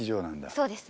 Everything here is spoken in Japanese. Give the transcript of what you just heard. そうですね。